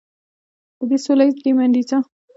د ډي سولیز، ډي میندوزا او ډي ایولاس ماموریتونه دوام و.